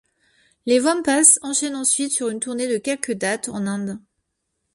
Les Wampas enchaînent ensuite sur une tournée de quelques dates en Inde.